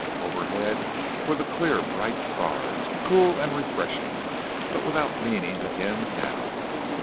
Overhead were the clear bright stars, cool and refreshing, but without meaning to him now.